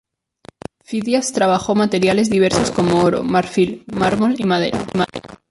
Fidias trabajó materiales diversos como oro, marfil, bronce, mármol y madera.